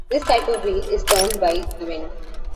This type of wheel is turned by wind.